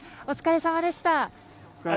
お疲れさまでした。